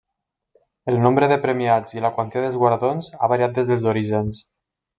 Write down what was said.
El nombre de premiats i la quantia dels guardons ha variat des dels orígens.